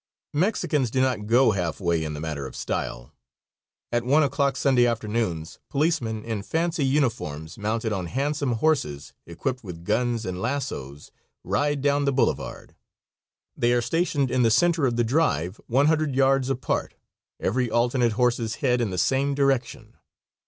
Mexicans do not go half way in the matter of style. At one o'clock Sunday afternoons policemen in fancy uniforms, mounted on handsome horses, equipped with guns and lassoes, ride down the Boulevard. They are stationed in the center of the drive one hundred yards apart, every alternate horse's head in the same direction.